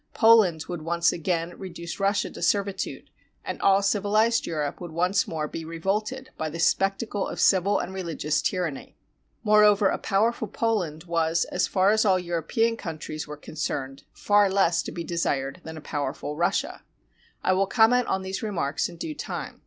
Poland would once again reduce Rus sia to servitude, and all civilized Europe would once more be revolted by the spectacle of civil and religious tyranny. Moreover, a powerful Poland was, as far as all European countries were concerned, far less to be desired than a powerful Russia. I will comment on these remarks in due time.